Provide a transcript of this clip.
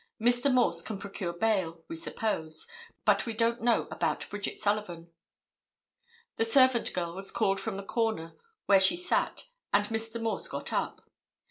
Mr. Morse can procure bail, we suppose; but we don't know about Bridget Sullivan." The servant girl was called from the corner where she sat, and Mr. Morse got up.